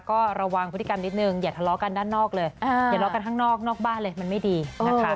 ก็ระวังพฤติกรรมนิดนึงอย่าทะเลาะกันด้านนอกเลยอย่าเลาะกันข้างนอกนอกบ้านเลยมันไม่ดีนะคะ